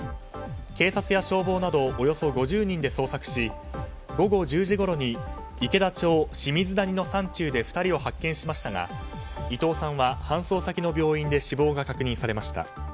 警察や消防などおよそ５０人で捜索し午後１０時ごろに池田町清水谷の山中で２人を発見しましたが伊藤さんは搬送先の病院で死亡が確認されました。